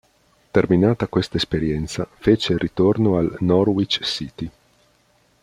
Terminata questa esperienza, fece ritorno al Norwich City.